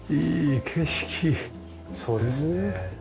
そうですね。